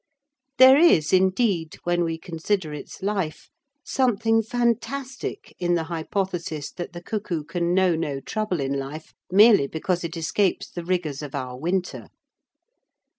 There is, indeed, when we consider its life, something fantastic in the hypothesis that the cuckoo can know no trouble in life, merely because it escapes the rigours of our winter.